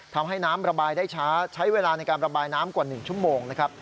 ทำให้น้ำระบายได้ช้าใช้เวลาในการระบายน้ำกว่า๑ชั่วโมงนะครับ